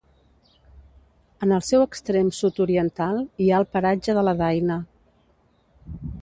En el seu extrem sud-oriental hi ha el paratge de la Daina.